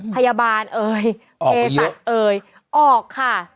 พยาบาลเอยเอสันเอยออกค่ะ